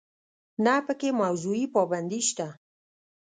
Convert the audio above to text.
نه په کې موضوعي پابندي شته.